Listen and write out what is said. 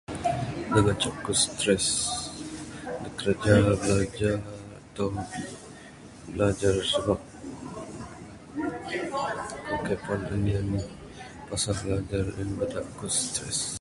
Da ngancak aku stress kiraja ato bilajar sabab aku kaik puan anih anih pasal bilajar [unintelligible] ku stress